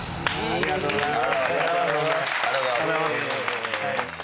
ありがとうございます。